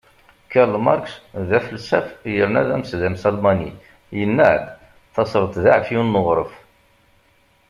Karl Marx, d afelsaf yerna d amesdames Almani, yenna-d: Tasredt d aεefyun n uɣref.